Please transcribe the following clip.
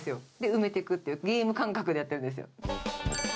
埋めていくっていう、ゲーム感覚でやってるんですよ。